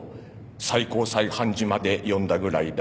最高裁判事まで呼んだぐらいだ。